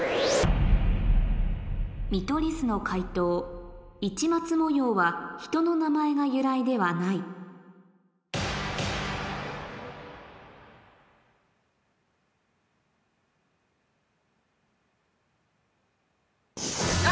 見取り図の解答市松模様は人の名前が由来ではないあ！